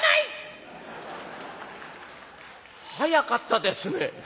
「早かったですね。